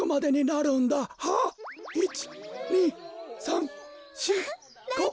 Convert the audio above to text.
１２３４５。